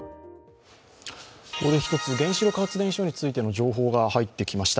ここで１つ原子力発電所についての情報が入ってきました。